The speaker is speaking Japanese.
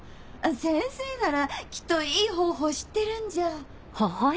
先生ならきっといい方法知ってるんじゃ？